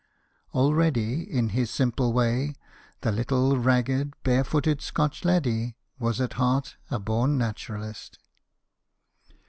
Already, in his simple way, the little ragged bare footed Scotch laddie was at heart a born naturalist.